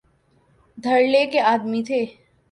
دھڑلے کے آدمی تھے۔